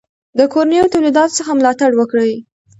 د کورنیو تولیداتو څخه ملاتړ وکړئ.